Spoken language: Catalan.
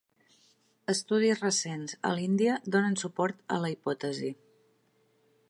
Estudis recents a l'Índia donen suport a la hipòtesi.